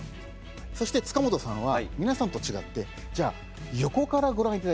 そして塚本さんは皆さんと違ってじゃあ横からご覧いただいてよろしいですか。